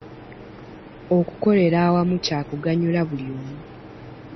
Okukolera awamu kya kuganyula buli omu.